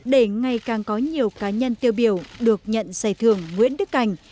để ngày càng có nhiều cá nhân tiêu biểu được nhận giải thưởng nguyễn đức cảnh